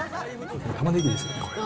タマネギですね、これ。